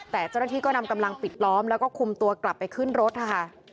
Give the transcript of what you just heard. แต่เจ้าหน้าที่ก็นำกำลังปิดล้อมแล้วก็คุมตัวกลับไปขึ้นรถนะคะ